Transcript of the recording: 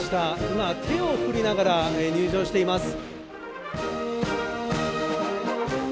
今、手を振りながら入場しています